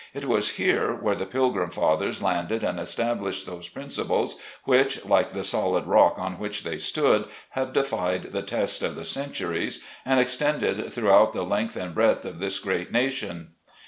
It was here, where the Pilgrim Fathers landed and estab lished those principles which, like the solid rock on which they stood, have defied the test of the cen turies, and extended throughout the length and breadth of this great nation.